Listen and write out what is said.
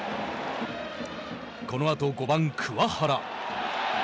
このあと５番桑原。